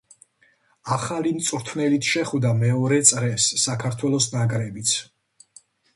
ახალი მწვრთნელით შეხვდა მეორე წრეს საქართველოს ნაკრებიც.